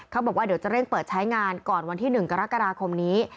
บอกว่าเดี๋ยวจะเร่งเปิดใช้งานก่อนวันที่๑กรกฎาคมนี้